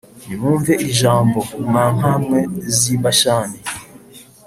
Nimwumve iri jambo, mwa nka mwe z’i Bashani,